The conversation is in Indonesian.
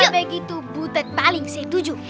kalau begitu butet paling saya setuju